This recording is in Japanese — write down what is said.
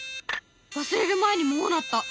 忘れる前にもう鳴った！